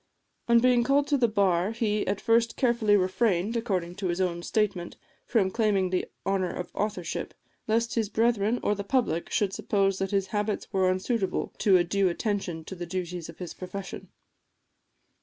On being called to the bar, he at first carefully refrained, according to his own statement, from claiming the honour of authorship, lest his brethren or the public should suppose that his habits were unsuitable to a due attention to the duties of his profession.